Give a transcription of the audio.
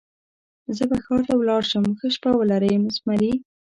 زه به ښار ته ولاړ شم، ښه شپه ولرئ زمري.